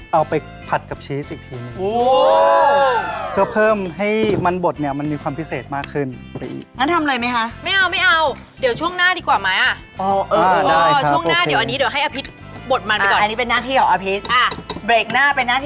เอาไปผัดกับชีสอีกทีหนึ่ง